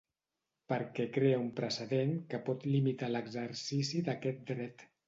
Perquè crea un precedent que pot limitar l’exercici d’aquest dret.